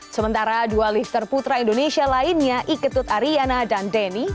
sementara dua lifter putra indonesia lainnya iketut ariana dan denny